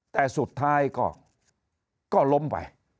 แต่สุดท้ายก็ล้มไป